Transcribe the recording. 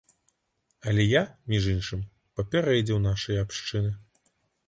Але я, між іншым, папярэдзіў нашыя абшчыны.